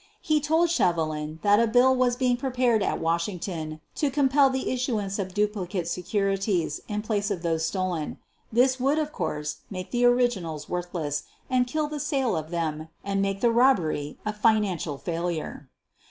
He told Shevelin that a bill was being prepared at Washington to compel the issuance of duplicate securities in place of those stolen. This would, of course, make the original* worthless and kill the sale of them and make the robbery a financial failure.